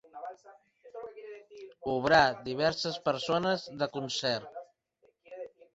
Obrar, diverses persones, de concert.